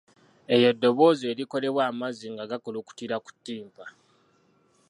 Eryo ddoboozi erikolebwa amazzi nga gakulukutira ku ttimpa.